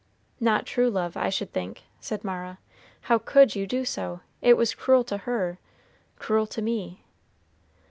"Not true love, I should think," said Mara. "How could you do so? it was cruel to her, cruel to me."